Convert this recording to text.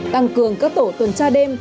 tăng cường các tổ tuần tra đêm